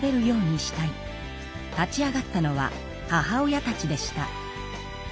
立ち上がったのは母親たちでした。